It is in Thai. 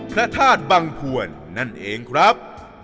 พระธาตุบังพวนนั่นเองครับ